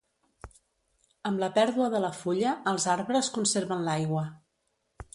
Amb la pèrdua de la fulla els arbres conserven l'aigua.